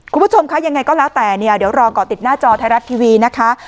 คุณผู้ชมคะยังไงก็แล้วแต่เนี่ยเดี๋ยวรอก่อติดหน้าจอไทยรัฐทีวีนะคะ